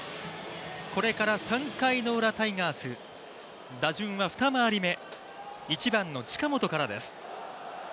これから３回のウラタイガース打順は２回り目、１番の近本からです。